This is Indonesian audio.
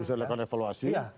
bisa dilakukan evaluasi